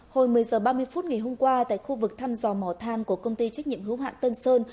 hồi một mươi h ba mươi phút ngày hôm qua tại khu vực thăm dò mò than của công ty trách nhiệm hữu hạn tân sơn